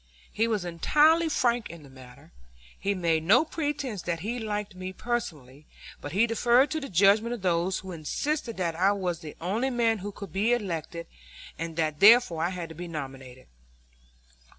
He was entirely frank in the matter. He made no pretense that he liked me personally; but he deferred to the judgment of those who insisted that I was the only man who could be elected, and that therefore I had to be nominated.